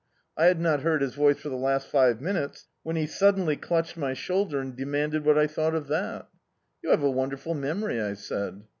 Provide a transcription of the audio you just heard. I had not heard his voice for the last five minutes, when he suddenly clutched my shoulder and demanded what I thought of that "You have a wonderful memory," I said.